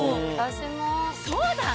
そうだ！